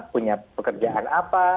punya pekerjaan apa